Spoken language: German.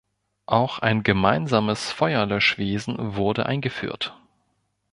Auch ein gemeinsames Feuerlöschwesen wurde eingeführt.